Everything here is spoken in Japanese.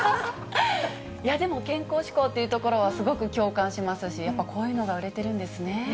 でも、健康志向というところはすごく共感しますし、こういうのが売れてるんですね。